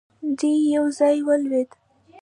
دی يو ځای ولوېد.